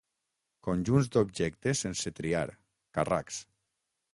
Conjunts d'objectes sense triar, carracs.